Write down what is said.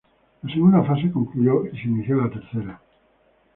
La segunda fase concluyó y se inició la tercera.